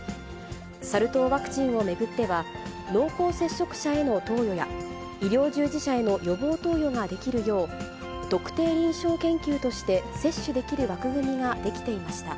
サル痘ワクチンを巡っては、濃厚接触者への投与や、医療従事者への予防投与ができるよう、特定臨床研究として接種できる枠組みが出来ていました。